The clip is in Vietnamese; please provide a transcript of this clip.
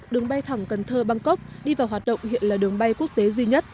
đường bay thẳng cần thơ bangkok đi vào hoạt động hiện là đường bay quốc tế duy nhất